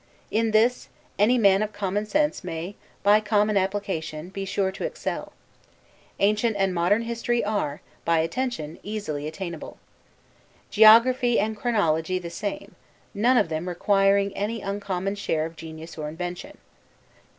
In this, any man of common sense may, by common application, be sure to excel. Ancient and modern history are, by attention, easily attainable. Geography and chronology the same, none of them requiring any uncommon share of genius or invention.